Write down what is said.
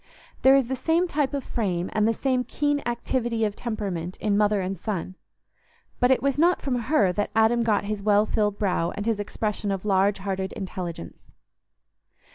There is the same type of frame and the same keen activity of temperament in mother and son, but it was not from her that Adam got his well filled brow and his expression of large hearted intelligence.